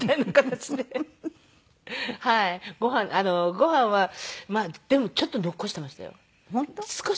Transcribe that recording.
ご飯はでもちょっと残していましたよ。